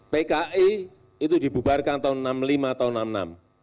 pki itu dibubarkan tahun enam puluh lima tahun enam puluh enam